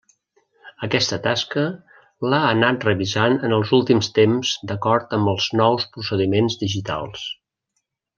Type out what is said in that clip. Aquesta tasca l'ha anat revisant en els últims temps d'acord amb els nous procediments digitals.